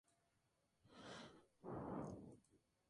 La escudería francesa Oreca ayuda a la operación.